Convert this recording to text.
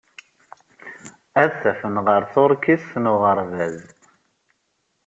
Ad adfen ɣer tuṛkist n uɣerbaz.